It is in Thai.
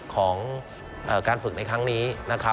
ของการฝึกในครั้งนี้